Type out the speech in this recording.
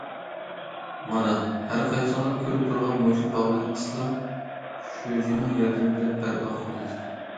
مانا ھەر قايسىڭلار كۆرۈپ تۇرغان مۇشۇ باغنى ئىسلام شۇجىنىڭ ياردىمى بىلەن بەرپا قىلدىم.